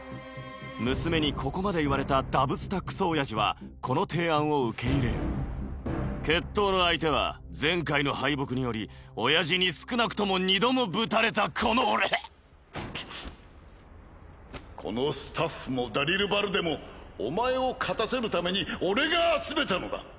娘にここまで言われたダブスタクソおやじはこの提案を受け入れる決闘の相手は前回の敗北によりおやじに少なくとも二度もぶたれたこの俺このスタッフもダリルバルデもお前を勝たせるために俺が集めたのだ。